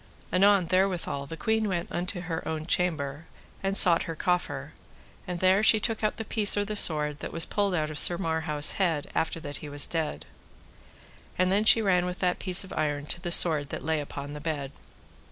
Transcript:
Anon therewithal the queen went unto her own chamber, and sought her coffer, and there she took out the piece or the sword that was pulled out of Sir Marhaus' head after that he was dead. And then she ran with that piece of iron to the sword that lay upon the bed.